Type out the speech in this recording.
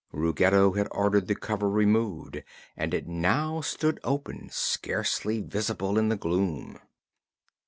Ruggedo had ordered the cover removed and it now stood open, scarcely visible in the gloom.